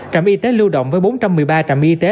trạm y tế lưu động với bốn trăm một mươi ba trạm y tế